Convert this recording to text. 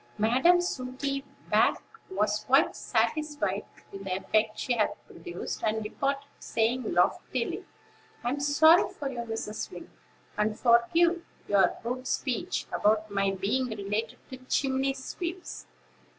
Madam Sooty back was quite satisfied with the effect she had produced, and departed, saying loftily: "I'm sorry for you, Mrs. Wing, and forgive your rude speech about my being related to chimney sweeps.